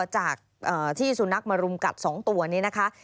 จากที่สุนัขมารุมกัด๒ตัวนี้นะคะ